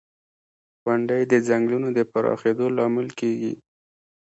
• غونډۍ د ځنګلونو د پراخېدو لامل کېږي.